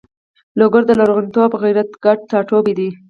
لوګر د لرغونتوب او غیرت ګډ ټاټوبی ده.